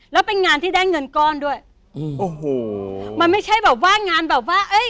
แล้วเป็นงานที่ได้เงินก้อนด้วยอืมโอ้โหมันไม่ใช่แบบว่างานแบบว่าเอ้ย